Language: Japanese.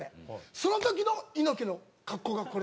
その時の猪木の格好がこれ。